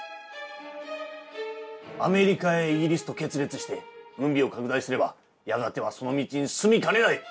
アメリカイギリスと決裂して軍備を拡大すればやがてはその道に進みかねない！